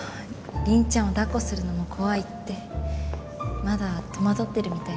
凛ちゃんを抱っこするのも怖いってまだ戸惑ってるみたいです。